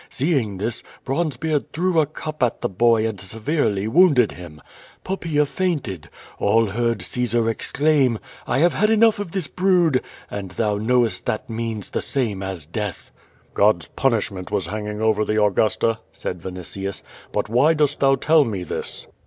Seeing this, Bronzel)eard threw a cup at the boy and severely wounded him. Poppaea fainted. All heard Caesar exclaim: •! have had enough of this brood!' and thou knowest that means the same as death." God's punishment was hanging over the Augusta," said A^initius, "but why dost thou tell me this?"